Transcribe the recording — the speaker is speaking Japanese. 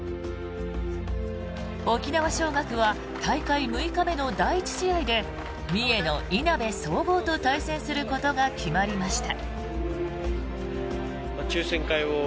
沖縄尚学は大会６日目の第１試合で三重のいなべ総合と対戦することが決まりました。